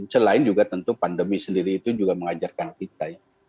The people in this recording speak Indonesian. selain juga tentu pandemi sendiri itu juga mengajarkan kita ya